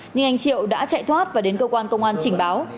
nhưng anh triệu đã chạy thoát và đến cơ quan công an trình báo